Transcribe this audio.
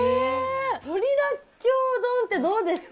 鳥らっきょう丼って、どうですか？